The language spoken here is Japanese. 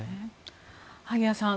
萩谷さん